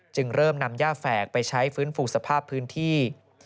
จึงเริ่มนำย่าแฝกไปใช้ฟื้นฟูสภาพพื้นที่